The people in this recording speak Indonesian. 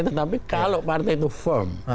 tetapi kalau partai itu firm